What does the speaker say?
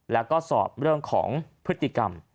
แล้วก็สอบเรื่องของพฤติกรรม